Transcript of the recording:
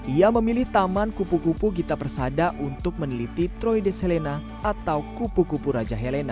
ia memilih taman kupu kupu gita persada untuk meneliti troide selena atau kupu kupu raja helena